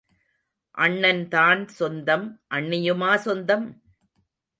அண்ணன்தான் சொந்தம் அண்ணியுமா சொந்தம்?